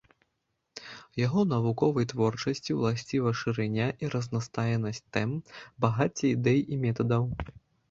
Яго навуковай творчасці ўласціва шырыня і разнастайнасць тэм, багацце ідэй і метадаў.